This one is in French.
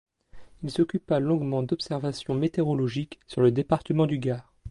Il s'occupa longuement d'observations météorologiques sur le département du Gard.